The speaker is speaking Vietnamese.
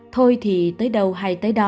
thôi thì tới đâu hay tới đó